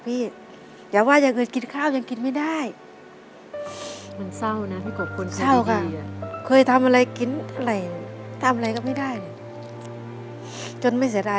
เพราะเราไม่เคยนะคะสนามบากมีแต่เราทำให้เขา